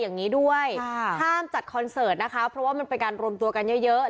อย่างนี้ด้วยห้ามจัดคอนเสิร์ตนะคะเพราะว่ามันเป็นการรวมตัวกันเยอะเยอะ